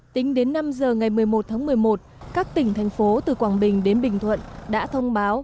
tính đến năm giờ ngày một mươi một tháng một mươi một các tỉnh thành phố từ quảng bình đến bình thuận đã thông báo